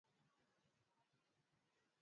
Loweka maharage yote kwemye maji